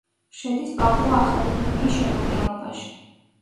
შედის პაპუა-ახალი გვინეის შემადგენლობაში.